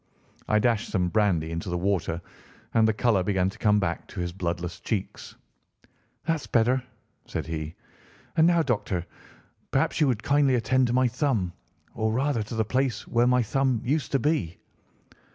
I dashed some brandy into the water, and the colour began to come back to his bloodless cheeks. "That's better!" said he. "And now, Doctor, perhaps you would kindly attend to my thumb, or rather to the place where my thumb used to be."